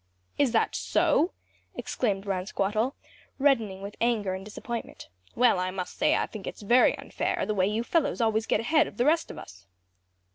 "Is that so?" exclaimed Ransquattle, reddening with anger and disappointment. "Well, I must say I think it's very unfair; the way you fellows always get ahead of the rest of us."